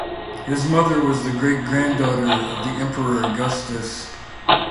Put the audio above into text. His mother was the great-granddaughter of the emperor Augustus.